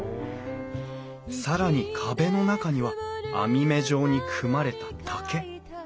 更に壁の中には網目状に組まれた竹。